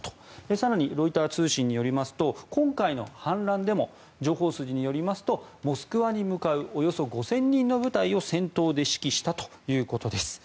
更に、ロイター通信によりますと今回の反乱でも情報筋によりますとモスクワに向かうおよそ５０００人の部隊を先頭で指揮したということです。